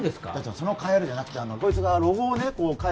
その変えるじゃなくてこいつがロゴをねかえ